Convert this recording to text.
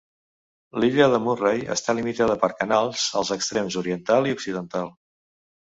L'illa de Murray està limitada per canals als extrems oriental i occidental.